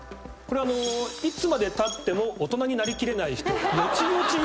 これいつまでたっても大人になりきれない人。